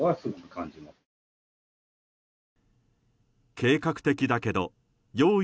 計画的だけど用意